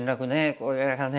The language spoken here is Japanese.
これがね